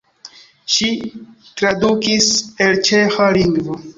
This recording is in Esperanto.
Ŝi tradukis el ĉeĥa lingvo.